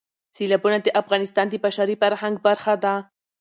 سیلابونه د افغانستان د بشري فرهنګ برخه ده.